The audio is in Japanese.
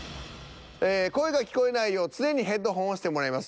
ええ声が聞こえないよう常にヘッドホンをしてもらいます。